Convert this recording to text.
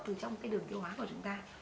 từ trong cái đường tiêu hóa của chúng ta